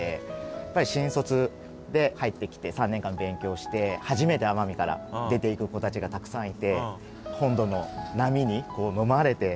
やっぱり新卒で入ってきて３年間勉強して初めて奄美から出ていく子たちがたくさんいて。